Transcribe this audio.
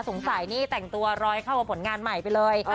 สงสัยนี่แต่งตัวรอยเข้ากับผลงานใหม่ไปเลย